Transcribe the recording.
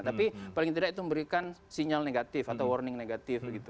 tapi paling tidak itu memberikan sinyal negatif atau warning negatif gitu